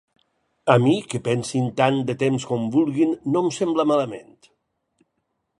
A mi, que pensin tant de temps com vulguin no em sembla malament.